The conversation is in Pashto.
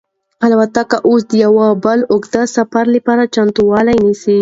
الوتکه اوس د یو بل اوږد سفر لپاره چمتووالی نیسي.